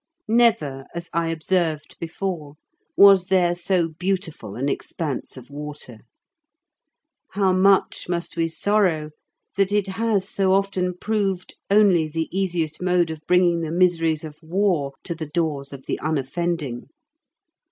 Never, as I observed before, was there so beautiful an expanse of water. How much must we sorrow that it has so often proved only the easiest mode of bringing the miseries of war to the doors of the unoffending!